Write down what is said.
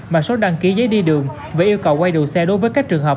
mạng số đăng ký giấy đi đường và yêu cầu quay đồ xe đối với các trường hợp